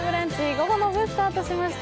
午後の部スタートしました。